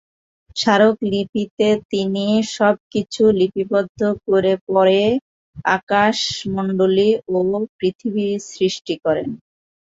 স্মরকলিপিতে তিনি সবকিছু লিপিবদ্ধ করে পরে আকাশমণ্ডলী ও পৃথিবী সৃষ্টি করেন।